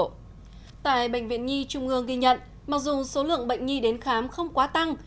tại bệnh viện nhi trung ương ghi nhận mặc dù số lượng bệnh nhi đến khám không quá tăng